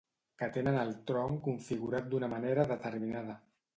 Que tenen el tronc configurat d'una manera determinada.